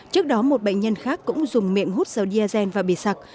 trước đó một bệnh nhân khác cũng dùng miệng hút dầu diagen và bị sạc